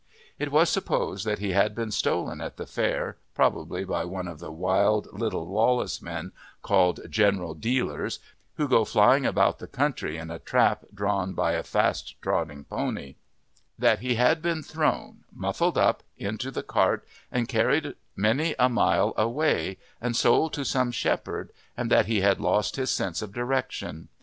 It was supposed that he had been stolen at the fair, probably by one of the wild, little, lawless men called "general dealers," who go flying about the country in a trap drawn by a fast trotting pony; that he had been thrown, muffled up, into the cart and carried many a mile away, and sold to some shepherd, and that he had lost his sense of direction.